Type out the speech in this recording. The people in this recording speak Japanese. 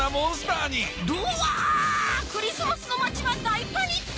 クリスマスの町は大パニック！